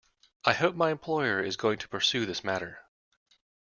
I hope my employer is going to pursue this matter.